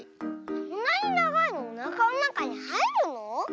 そんなにながいのおなかのなかにはいるの？